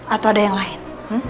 atau ada yang lain